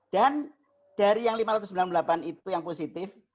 dan dari yang lima ratus sembilan puluh delapan itu yang positif